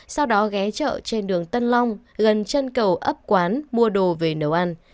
sau đó ghé chợ trên đường tân long gần chân cầu ấp quán mua đồ về nấu ăn